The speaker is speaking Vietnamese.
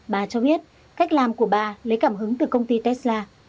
bà cho biết cách làm của bà lấy cảm hứng từ công ty tesla